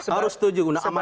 harus setuju guna amanat